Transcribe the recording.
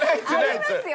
ありますよ！